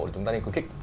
chúng ta nên có kích